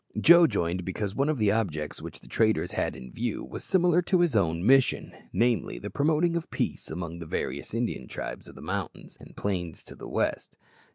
Joe joined because one of the objects which the traders had in view was similar to his own mission namely, the promoting of peace among the various Indian tribes of the mountains and plains to the west.